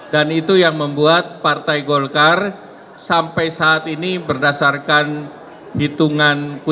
dan itu yang membuat partai golkar sampai saat ini berdasarkan hitungan quick count